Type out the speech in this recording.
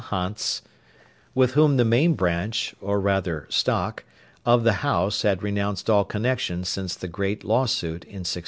Hants; with whom the main branch, or rather stock, of the house had renounced all connection since the great law suit in 1670.